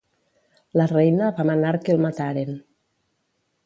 La reina va manar que el mataren.